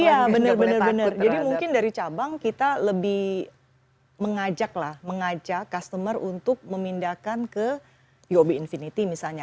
iya benar benar jadi mungkin dari cabang kita lebih mengajak lah mengajak customer untuk memindahkan ke uob infinity misalnya